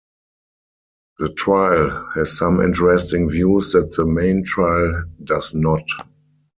The trail has some interesting views that the main trail does not.